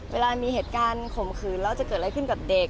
เวลามีเหตุการณ์ข่มขืนแล้วจะเกิดอะไรขึ้นกับเด็ก